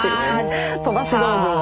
飛ばし道具を。